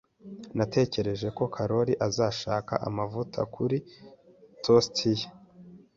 Natekereje ko Karoli azashaka amavuta kuri toast ye.